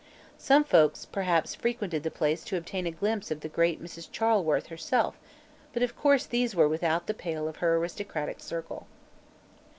Some folks perhaps frequented the place to obtain a glimpse of the great Mrs. Charleworth herself, but of course these were without the pale of her aristocratic circle.